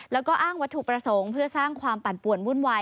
แล้วก็อ้างวัตถุประสงค์เพื่อสร้างความปั่นป่วนวุ่นวาย